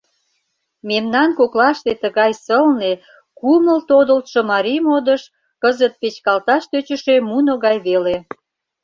Мемнан коклаште тыгай сылне, кумыл тодылтшо марий модыш кызыт печкалташ тӧчышӧ муно гай веле.